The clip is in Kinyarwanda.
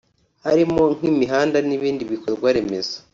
harimo nk’imihanda n’ibindi bikorwa remezo